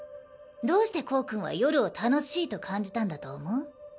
どうしてコウ君は夜を楽しいと感じたんだと思う？